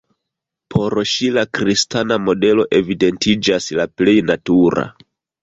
Por ŝi la kristana modelo evidentiĝas la plej natura.